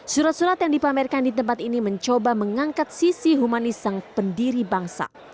surat surat yang dipamerkan di tempat ini mencoba mengangkat sisi humanis sang pendiri bangsa